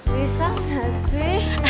bisa gak sih